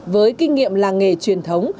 với kinh nghiệm làng nghề truyền thống